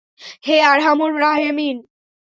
হে আরহামুর রাহেমীন!